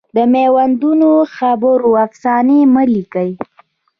د میوندونو خیبرونو افسانې مه لیکه